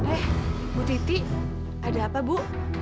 eh bu titi ada apa bu